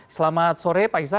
selamat sore pak isa